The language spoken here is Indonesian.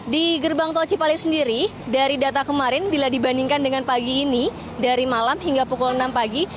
di gerbang tol cipali sendiri dari data kemarin bila dibandingkan dengan pagi ini dari malam hingga pukul enam pagi